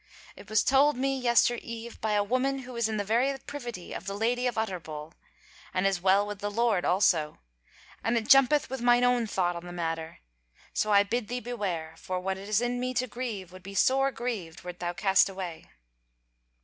It was told me yester eve by a woman who is in the very privity of the Lady of Utterbol, and is well with the Lord also: and it jumpeth with mine own thought on the matter; so I bid thee beware: for what is in me to grieve would be sore grieved wert thou cast away."